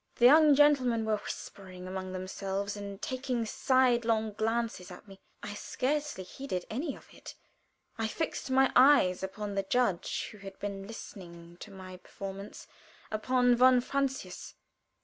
The young gentlemen were whispering among themselves and taking sidelong glances at me. I scarcely heeded anything of it. I fixed my eyes upon the judge who had been listening to my performance upon von Francius.